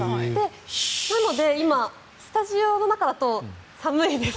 なので今スタジオの中だと寒いです。